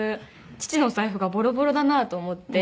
父のお財布がボロボロだなと思って。